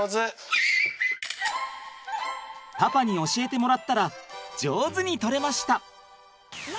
パパに教えてもらったら上手に撮れました！